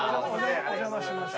お邪魔しました。